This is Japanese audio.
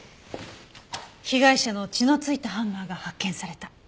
被害者の血の付いたハンマーが発見された。